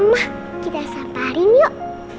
mah kita saparin yuk